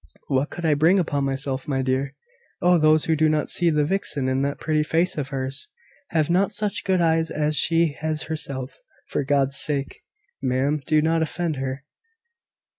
"What could I bring upon myself, my dear?" "Oh, those who do not see the vixen in that pretty face of hers, have not such good eyes as she has herself. For God's sake, ma'am, do not offend her!"